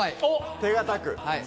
手堅く！